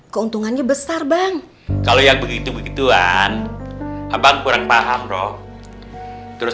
keuntungannya besar bang kalau yang begitu begituan abang kurang paham roh terus